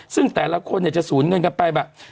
ซึ่งแต่ละคนจะสูญเงินกันไป